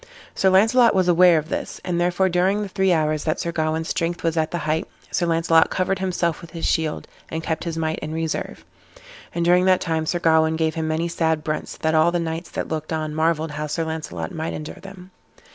Sir Launcelot was aware of this, and therefore, during the three hours that Sir Gawain's strength was at the height, Sir Launcelot covered himself with his shield, and kept his might in reserve. And during that time Sir Gawain gave him many sad brunts, that all the knights that looked on marvelled how Sir Launcelot might endure them.